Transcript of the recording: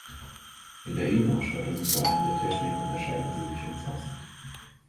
In der Innenausstattung und vor allem der Technik unterscheiden sie sich umfassend.